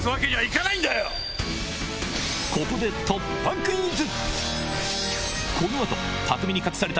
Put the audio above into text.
ここで突破クイズ！